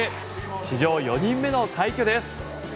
史上４人目の快挙です。